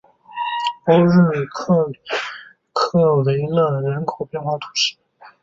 欧日地区克里克维勒人口变化图示